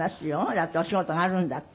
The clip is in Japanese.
だってお仕事があるんだったら」